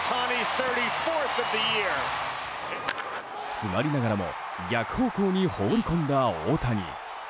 詰まりながらも逆方向に放り込んだ大谷。